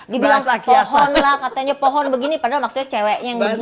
dibilang pohon lah katanya pohon begini padahal maksudnya ceweknya yang di sini